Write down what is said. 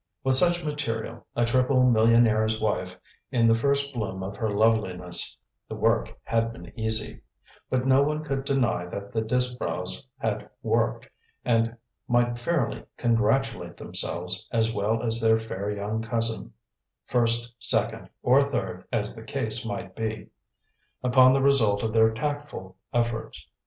With such material a triple millionaire's wife in the first bloom of her loveliness the work had been easy; but no one could deny that the Disbrowes had worked, and might fairly congratulate themselves, as well as their fair young cousin, (first, second, or third, as the case might be) upon the result of their tactful efforts.